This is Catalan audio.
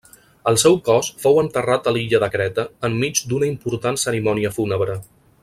El seu cos fou enterrat a l'illa de Creta enmig d'una important cerimònia fúnebre.